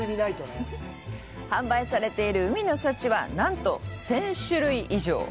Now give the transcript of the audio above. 販売されている海の幸はなんと１０００種類以上！